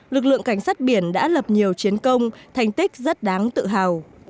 lực lượng cảnh sát biển đã lập nhiều chiến công thành tích rất đáng tự hào